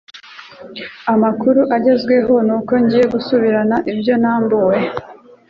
Amakuru Agezweho nuko ngiye gusubirana ibyo nambuwe